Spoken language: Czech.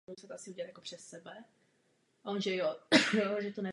Pouze žezlo teologické fakulty zůstalo v Olomouci.